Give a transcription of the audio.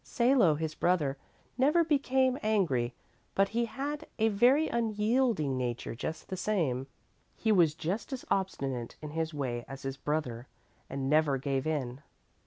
"Salo, his brother, never became angry, but he had a very unyielding nature just the same. He was just as obstinate in his way as his brother, and never gave in.